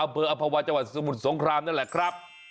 อเบอร์อภวัชวรสมุทรสงครามนั่นแหละครับ